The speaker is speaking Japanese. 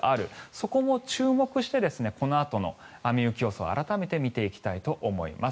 そこも注目してこのあとの雨・雪予想を改めて見ていきたいと思います。